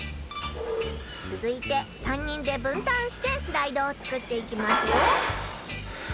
つづいて３人でぶんたんしてスライドを作っていきますよ！